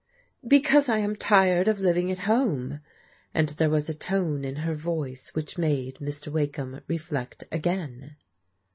" Because I am tired of living at home," and there was a tone in her voice which made Mr. Wakeham reflect again.